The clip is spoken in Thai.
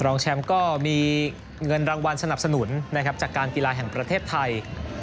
รองแชมป์ก็มีเงินรางวัลสนับสนุนนะครับจากการกีฬาแห่งประเทศไทย